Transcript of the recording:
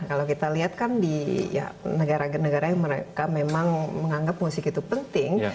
kalau kita lihat kan di negara negara yang mereka memang menganggap musik itu penting